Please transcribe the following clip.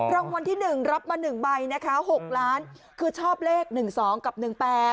รางวัลที่หนึ่งรับมาหนึ่งใบนะคะหกล้านคือชอบเลขหนึ่งสองกับหนึ่งแปด